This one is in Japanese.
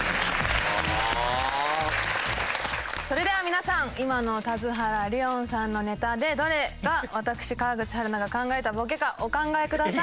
それでは皆さん今の田津原理音さんのネタでどれが私川口春奈が考えたボケかお考えください。